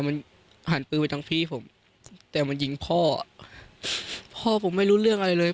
มันผ่านปืนไปทั้งพี่ผมแต่มันยิงพ่ออ่ะพ่อพ่อผมไม่รู้เรื่องอะไรเลย